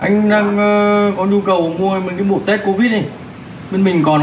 anh đang có nhu cầu mua cái bộ test covid này bên mình còn không em